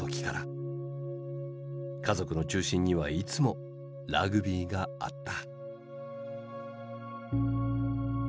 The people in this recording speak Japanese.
家族の中心にはいつもラグビーがあった。